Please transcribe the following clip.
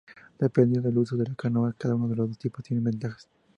Dependiendo del uso de la canoa, cada uno de los tipos tiene sus ventajas.